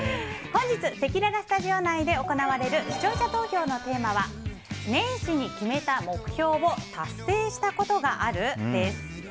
本日せきららスタジオ内で行われる視聴者投票のテーマは年始に決めた目標を達成したことがある？です。